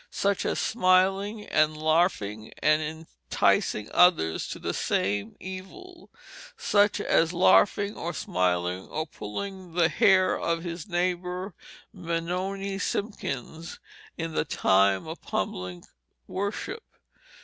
Such as Smiling and Larfing and Intiseing others to the Same Evil. Such as Larfing or Smiling or puling the hair of his nayber Benoni Simkins in the time of Publick Worship.